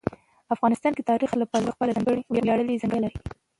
افغانستان د تاریخ له پلوه خپله ځانګړې ویاړلې ځانګړتیاوې لري.